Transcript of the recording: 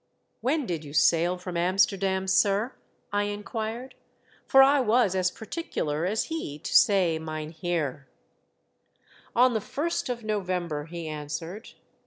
" When did you sail from Amsterdam, sir?" I inquired, for I was as particular as he to say " mynheer." " On the First of November," he answered.